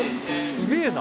すげぇな。